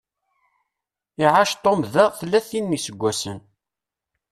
Iɛac Tom da tlatin n iseggasen.